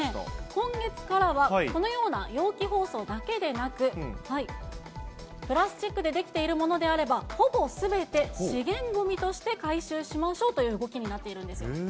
今月からは、このような容器包装だけでなく、プラスチックで出来ているものであれば、ほぼすべて資源ごみとして回収しましょうという動きになっているんです。